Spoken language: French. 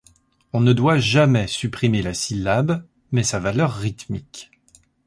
On ne doit jamais supprimer la syllabe, mais sa valeur rythmique.